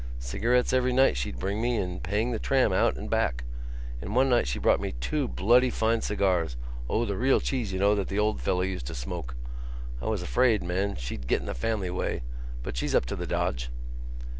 Cigarettes every night she'd bring me and paying the tram out and back. And one night she brought me two bloody fine cigars—O, the real cheese, you know, that the old fellow used to smoke.... I was afraid, man, she'd get in the family way. But she's up to the dodge."